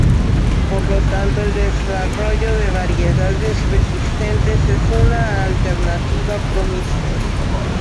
Por lo tanto el desarrollo de variedades resistentes es una alternativa promisoria.